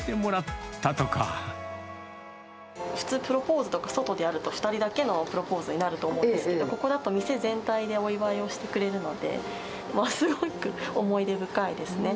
普通、プロポーズとかすると、外でやると、２人だけのプロポーズになると思うんですけど、ここだと店全体でお祝いをしてくれるので、すごく思い出深いですね。